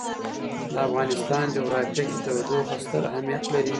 د افغانستان جغرافیه کې تودوخه ستر اهمیت لري.